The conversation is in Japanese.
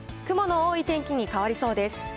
雲の多い天気に変わりそうです。